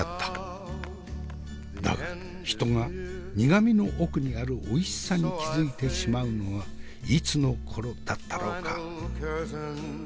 だが人が苦味の奥にあるおいしさに気付いてしまうのはいつの頃だったろうか？